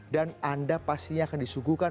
dan anda pastinya akan disuguhkan